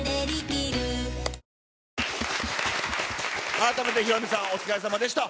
改めてヒロミさん、お疲れさまでした。